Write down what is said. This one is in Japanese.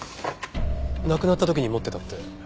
亡くなった時に持ってたって？